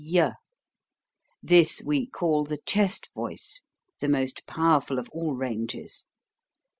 This we call the chest voice, the most powerful of all ranges.